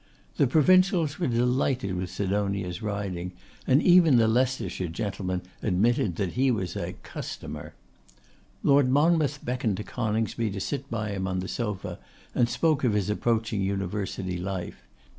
The Provincials were delighted with Sidonia's riding, and even the Leicestershire gentlemen admitted that he was a 'customer.' Lord Monmouth beckoned to Coningsby to sit by him on the sofa, and spoke of his approaching University life.